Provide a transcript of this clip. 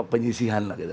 penyisihan lah kita